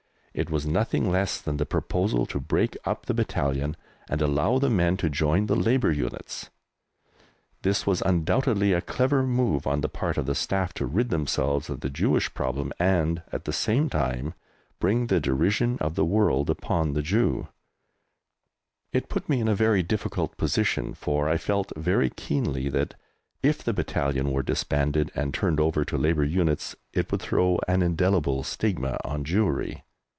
It was nothing less than the proposal to break up the battalion and allow the men to join Labour units! This was undoubtedly a clever move on the part of the Staff to rid themselves of the Jewish problem and, at the same time, bring the derision of the world upon the Jew. [Illustration: THE BATTALION ON PARADE] [Illustration: TOMB OF RACHEL, NEAR BETHLEHEM (See page 93)] It put me in a very difficult position, for I felt very keenly that, if the battalion were disbanded and turned over to Labour units, it would throw an indelible stigma on Jewry.